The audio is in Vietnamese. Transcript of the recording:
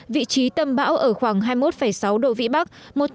vị trí tâm bão ở khoảng hai mươi một sáu độ vĩ bắc